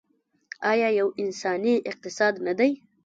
آیا یو انساني اقتصاد نه دی؟